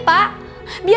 bapak ingat semuanya